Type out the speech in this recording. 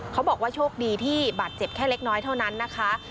โชคดีที่บาดเจ็บแค่เล็กน้อยเท่านั้นนะคะ